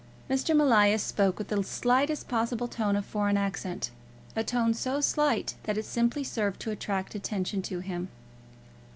Mr. Emilius spoke with the slightest possible tone of a foreign accent, a tone so slight that it simply served to attract attention to him.